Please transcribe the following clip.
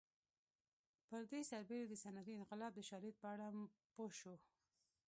پر دې سربېره د صنعتي انقلاب د شالید په اړه پوه شو